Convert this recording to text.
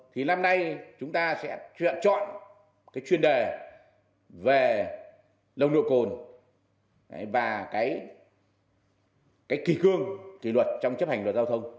thì năm nay chúng ta sẽ chọn chuyên đề về lông độ cồn và cái kỳ cương truyền luật trong chấp hành luật giao thông